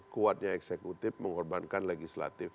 kuatnya eksekutif mengorbankan legislatif